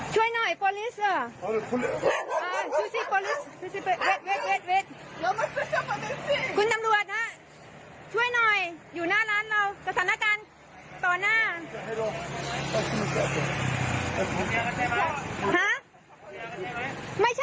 ช่วยหน่อยอยู่ฟ้าแล้วกสิงค์สัญลักษณะตอนหน้า